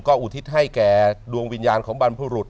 อุทิศให้แก่ดวงวิญญาณของบรรพบุรุษ